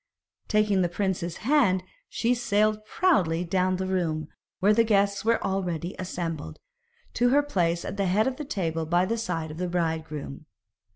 Taking the prince's hand, she sailed proudly down the room, where the guests were already assembled, to her place at the head of the table by the side of the bridegroom.